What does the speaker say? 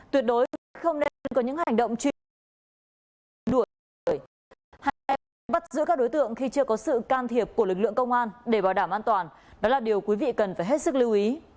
tuyệt đối không nên có những hành động truy đuổi hay bắt giữ các đối tượng khi chưa có sự can thiệp của lực lượng công an để bảo đảm an toàn đó là điều quý vị cần phải hết sức lưu ý